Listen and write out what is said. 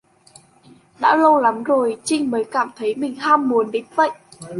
Đã lâu lắm rồi Trinh mới cảm thấy mình ham muốn đến vậy